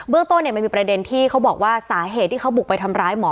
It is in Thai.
เรื่องต้นมันมีประเด็นที่เขาบอกว่าสาเหตุที่เขาบุกไปทำร้ายหมอ